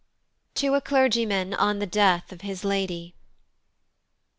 To a Clergyman on the Death of his Lady.